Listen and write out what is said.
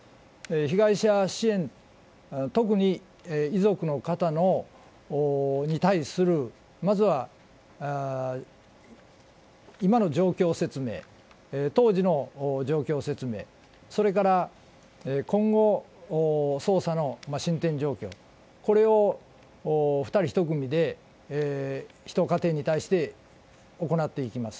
被害者支援、特に遺族の方に対するまずは今の状況説明、当時の状況説明、それから今後捜査の進展状況、これを２人１組で、１家庭に対して行っていきます。